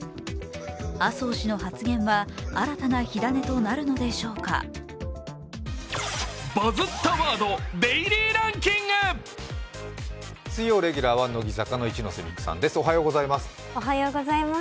麻生氏の発言は新たな火種となるのでしょうか水曜レギュラーは乃木坂の一ノ瀬美空さんです。